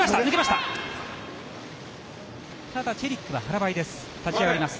ただ、チェリックは腹ばいです。